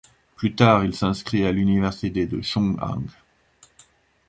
Plus tard, il s'inscrit à l'université Chung-Ang.